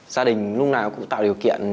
gia đình lúc nào cũng tạo điều kiện